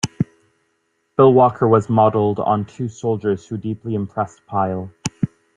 Bill Walker, was modeled on two soldiers who deeply impressed Pyle.